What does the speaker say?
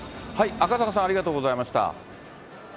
赤坂さん、ありがとうございました。